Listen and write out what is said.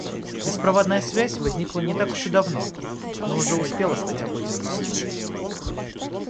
Беспроводная связь возникла не так уж и давно, но уже успела стать обыденностью.